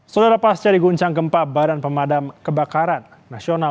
saudara pasca di guncang gempa baran pemadam kebakaran nasional